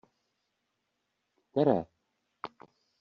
Které?